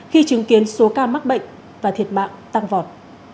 khi chứng kiến số ca mắc bệnh và thiệt mạng tăng vọt